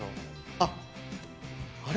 あっ、あれ？